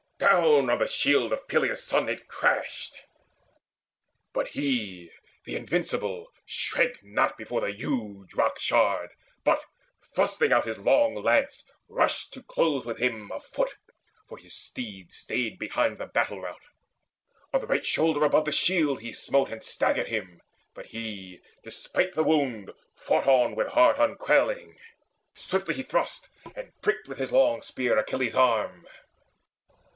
Down on the shield of Peleus' son It crashed. But he, the invincible, shrank not Before the huge rock shard, but, thrusting out His long lance, rushed to close with him, afoot, For his steeds stayed behind the battle rout. On the right shoulder above the shield he smote And staggered him; but he, despite the wound, Fought on with heart unquailing. Swiftly he thrust And pricked with his strong spear Achilles' arm.